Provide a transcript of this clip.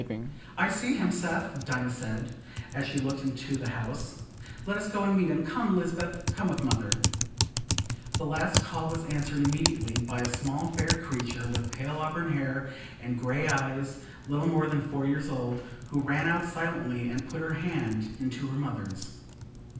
"I see him, Seth," Dinah said, as she looked into the house. "Let us go and meet him. Come, Lisbeth, come with Mother." The last call was answered immediately by a small fair creature with pale auburn hair and grey eyes, little more than four years old, who ran out silently and put her hand into her mother's.